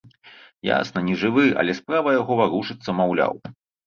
Ясна, нежывы, але справа яго варушыцца, маўляў!